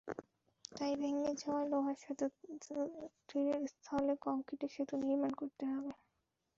তাই ভেঙে যাওয়া লোহার সেতুটির স্থলে কংক্রিটের সেতু নির্মাণ করতে হবে।